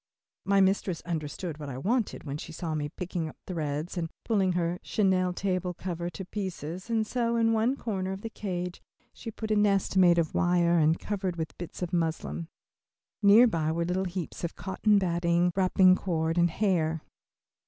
My mistress understood what I wanted when she saw me picking up threads and pulling her chenille table cover to pieces, and so in one corner of the cage she put a nest made of wire and covered with a bit of muslin. Near by were little heaps of cotton batting, wrapping cord, and hair.